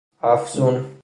افزون